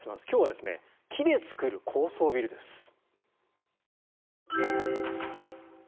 今日は木で作る高層ビルです。